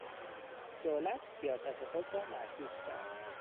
دولت سیاست خود را معکوس کرد.